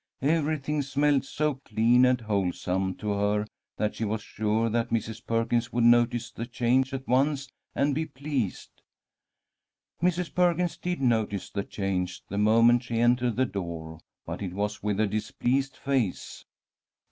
Everything smelled so clean and wholesome to her that she was sure that Mrs. Perkins would notice the change at once and be pleased. Mrs. Perkins did notice the change the moment she entered the door, but it was with a displeased face.